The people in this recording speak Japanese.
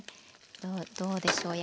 どうでしょう？